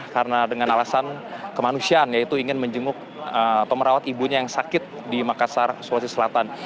karena dengan alasan kemanusiaan yaitu ingin menjemput atau merawat ibunya yang sakit di makassar sulawesi selatan